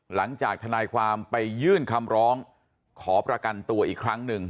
ทนายความไปยื่นคำร้องขอประกันตัวอีกครั้งหนึ่ง